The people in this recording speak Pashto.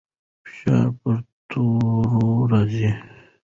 فشار پر تورو راځي.